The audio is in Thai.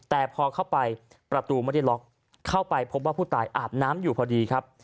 แต่พอเข้าไปประตูไม่ได้ล็อกเข้าไปพบว่าผู้ตายอาบน้ำอยู่พอดีครับ